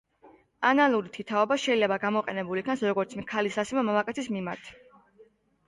ანალური თითაობა შეიძლება გამოყენებულ იქნას როგორც ქალის ასევე მამაკაცის მიმართ.